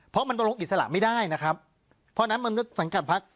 เพราะมันบรงอิสระไม่ได้นะครับเพราะฉะนั้นมันสังกัดพัก